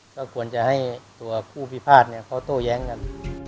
ก็ควรจะให้ตัวผู้พิพาทเขาโต้แย้งกัน